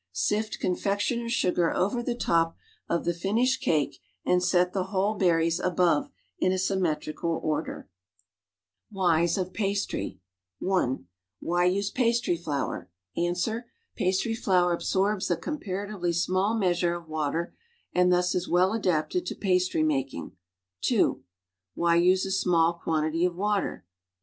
Sift confectioner's sugar over the top of the finished cake and set the whole berries above in a svmmclrical order. 62 WHYS OF PASTRY (1) Why use pastry flour? Ans. Pastry flour absorl)s a comparatively small measure of water and thus is well adapted to pastry making. (2) Why use a small quantity of water?